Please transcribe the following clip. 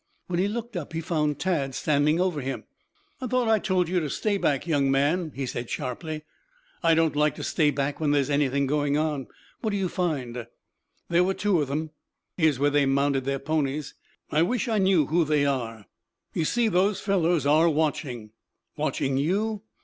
When he looked up he found Tad standing over him. "I thought I told you to stay back, young man?" he said sharply. "I don't like to stay back when there's anything going on. What do you find?" "There were two of them. Here's where they mounted their ponies. I wish I knew who they are. You see those fellows are watching." "Watching you?"